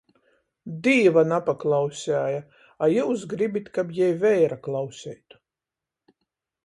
Dīva napaklauseja! A jius gribit, kab jei veira klauseitu.